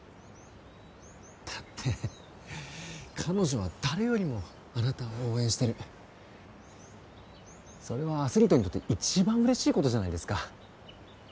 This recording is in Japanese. だって彼女は誰よりもあなたを応援してるそれはアスリートにとって一番嬉しいことじゃないですか